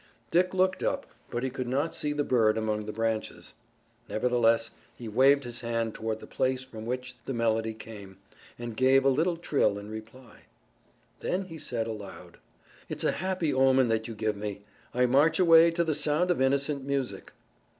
Dick looked up but he could not see the bird among the branches. Nevertheless he waved his hand toward the place from which the melody came and gave a little trill in reply. Then he said aloud: "It's a happy omen that you give me. I march away to the sound of innocent music."